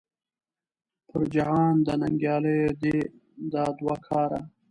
پر جهان د ننګیالو دې دا دوه کاره .